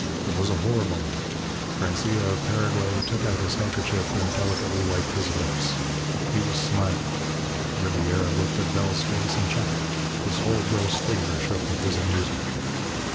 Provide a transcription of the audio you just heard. It was a horrible laugh. Francia of Paraguay took out his handkerchief and delicately wiped his lips. He was smiling. Ribiera looked at Bell's face and chuckled. His whole gross figure shook with his amusement.